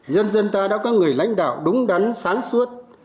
nhân dân ta đã có người lãnh đạo đúng đắn sáng suốt